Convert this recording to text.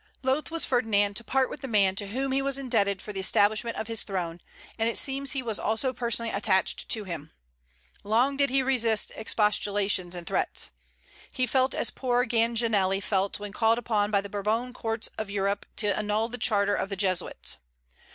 Loath was Ferdinand to part with the man to whom he was indebted for the establishment of his throne; and it seems he was also personally attached to him. Long did he resist expostulations and threats. He felt as poor Ganganelli felt when called upon by the Bourbon courts of Europe to annul the charter of the Jesuits.